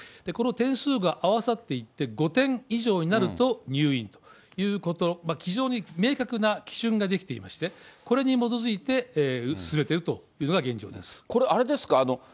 この点数が合わさっていって、５点以上になると入院ということ、非常に明確な基準が出来ていまして、これに基づいて、進めてるとこれあれですか？